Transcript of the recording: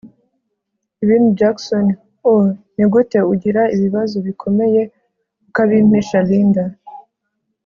ibindiJackson oh ni gute ugira ibibzo bikomeye ukabimpisha Linda